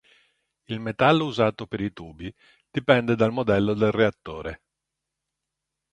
Il metallo usato per i tubi dipende dal modello del reattore.